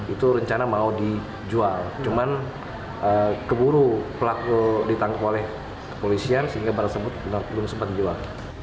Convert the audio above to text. itu rencana mau dijual cuman keburu pelaku ditangkap oleh kepolisian sehingga barang tersebut belum sempat dijual